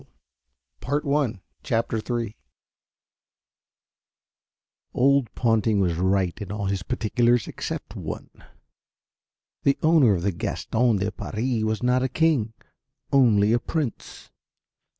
CHAPTER III THE GASTON DE PARIS Old Ponting was right in all his particulars, except one. The owner of the Gaston de Paris was not a king, only a prince.